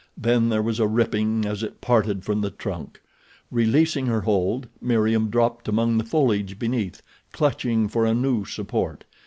Then there was a ripping as it parted from the trunk. Releasing her hold Meriem dropped among the foliage beneath, clutching for a new support.